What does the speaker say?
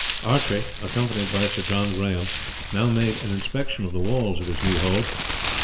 Archie, accompanied by Sir John Grahame, now made an inspection of the walls of his new hold.